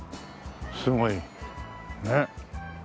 すごいねっ。